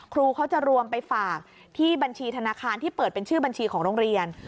ครูเขาจะรวมไปฝากที่บัญชีธนาคารที่เปิดเป็นชื่อบัญชีของโรงเรียน